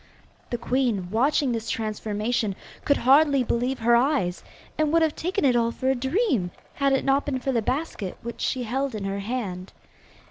The queen, watching this transformation, could hardly believe her eyes, and would have taken it all for a dream, had it not been for the basket which she held in her hand.